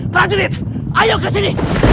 prajurit ayo ke sini